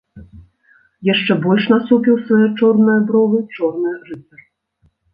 Яшчэ больш насупіў свае чорныя бровы чорны рыцар.